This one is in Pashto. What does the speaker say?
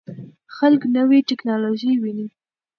خلک نوې ټکنالوژي ویني.